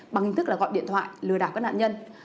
bằng hình thức là gọi điện thoại lừa đảo các nạn nhân